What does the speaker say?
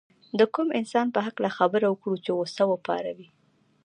د کوم انسان په هکله خبره وکړو چې غوسه وپاروي.